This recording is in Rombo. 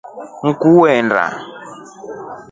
Nkuu ulienda?